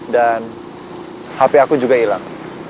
dan hp aku juga hilang